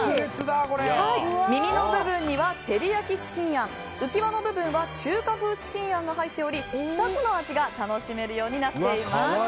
耳の部分には照り焼きチキンあんうきわの部分は中華風チキンあんが入っており２つの味が楽しめるようになっています。